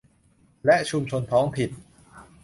และชุมชนท้องถิ่น